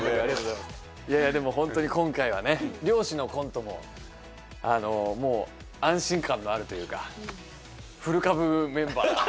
いやいやでも本当に今回はね漁師のコントももう安心感のあるというか古株メンバーが。